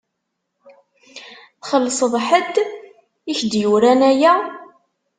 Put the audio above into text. Txellṣeḍ ḥedd i k-d-yuran aya?